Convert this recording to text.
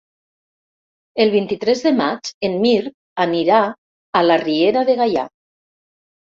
El vint-i-tres de maig en Mirt anirà a la Riera de Gaià.